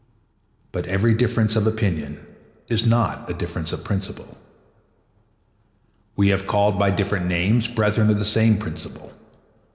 But every difference of opinion is not a difference of principle. We have called by different names brethren of the same principle.